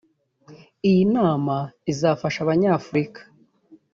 Iyi nama izafasha Abanyafurika